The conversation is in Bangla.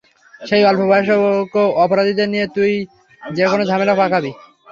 সেই অল্পবয়ষ্ক অপরাধীদের দিয়ে তুই যেকোনো ঝামেলা পাকাবি।